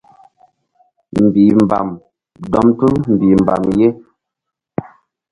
Mbih mbam dɔm tul mbihmbam ye.